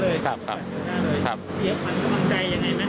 เสียผันพวัตดีหวังใจแบบไร